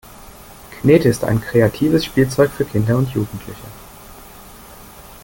Knete ist ein kreatives Spielzeug für Kinder und Jugendliche.